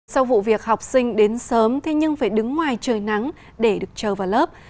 sau vụ việc học sinh đến sớm thế nhưng phải đứng ngoài trời nắng để được chờ vào lớp